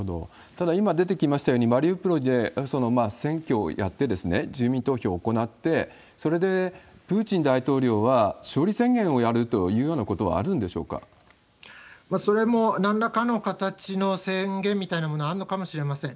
ただ、今出てきましたように、マリウポリで選挙をやって、住民投票を行って、それでプーチン大統領は勝利宣言をやるというようなことはあるんでしそれもなんらかの形の宣言みたいなものはあるのかもしれません。